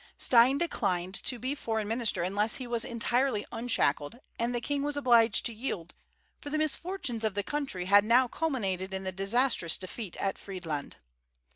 Stein declined to be foreign minister unless he was entirely unshackled, and the king was obliged to yield, for the misfortunes of the country had now culminated in the disastrous defeat at Friedland.